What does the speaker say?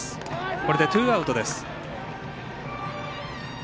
これでツーアウト。